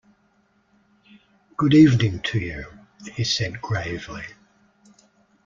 “Good evening to you,” he said gravely.